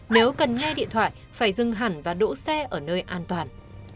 nếu cần nghe điện thoại phải dừng hẳn và đỗ xe ở nơi an toàn